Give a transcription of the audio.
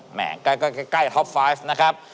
แหม่งใกล้ท็อป๕นะครับ